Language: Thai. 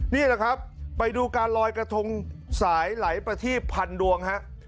นี่แหละครับไปดูการลอยกระทงสายหลายประทีบพันดวงฮะ